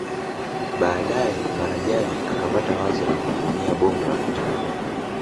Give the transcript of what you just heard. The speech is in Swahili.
Baadae Marajani akapata wazo la kutumia bomu la kutegwa